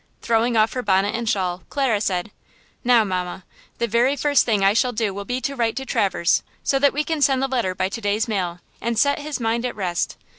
Throwing off her bonnet and shawl, Clara said: "Now, mamma, the very first thing I shall do will be to write to Traverse, so that we can send the letter by to day's mail and set his mind at rest.